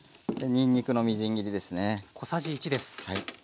にんにくのみじん切りですね。